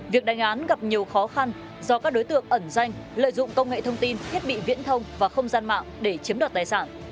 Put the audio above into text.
việc đánh án gặp nhiều khó khăn do các đối tượng ẩn danh lợi dụng công nghệ thông tin thiết bị viễn thông và không gian mạng để chiếm đoạt tài sản